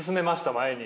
前に。